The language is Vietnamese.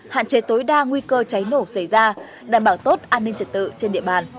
hạn chế tối đa nguy cơ cháy nổ xảy ra đảm bảo tốt an ninh trật tự trên địa bàn